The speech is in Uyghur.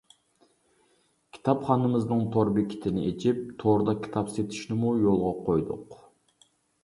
كىتابخانىمىزنىڭ تور بېكىتىنى ئېچىپ، توردا كىتاب سېتىشنىمۇ يولغا قويدۇق.